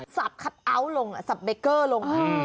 สับคัตอ้าวลงสับเบเกอร์ลง